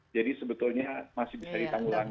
jadi sebetulnya masih bisa ditanggulangi